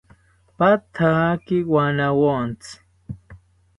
Pathaki wanawontzi